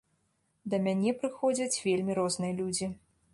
Да мяне прыходзяць вельмі розныя людзі.